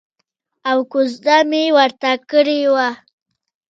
او کوزده مې ورته کړې وه.